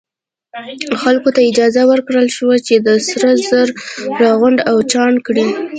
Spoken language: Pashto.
خلکو ته اجازه ورکړل شوه چې سره زر راغونډ او چاڼ کړي.